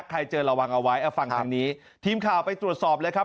เจอระวังเอาไว้เอาฟังทางนี้ทีมข่าวไปตรวจสอบเลยครับ